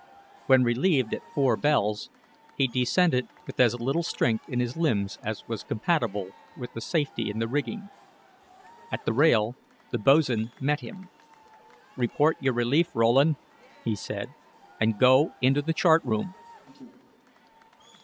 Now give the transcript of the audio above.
When relieved at four bells, he descended with as little strength in his limbs as was compatible with safety in the rigging. At the rail, the boatswain met him. "Report your relief, Rowland," he said, "and go into the chart room!"